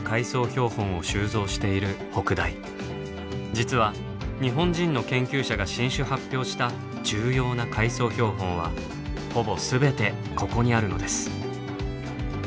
実は日本人の研究者が新種発表した重要な海藻標本はほぼ全てここにあるのです。